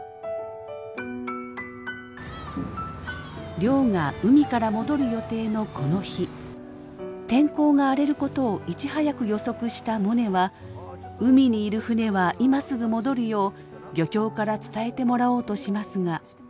亮が海から戻る予定のこの日天候が荒れることをいち早く予測したモネは海にいる船は今すぐ戻るよう漁協から伝えてもらおうとしますが。